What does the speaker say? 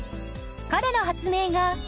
彼の発明が。